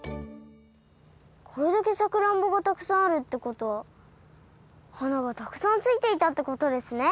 これだけさくらんぼがたくさんあるってことははながたくさんついていたってことですね。